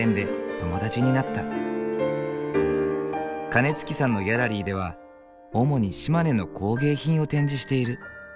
金築さんのギャラリーでは主に島根の工芸品を展示している。